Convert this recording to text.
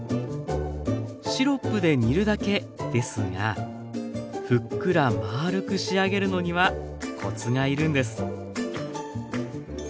シロップで煮るだけですがふっくらまるく仕上げるのにはコツがいるんです。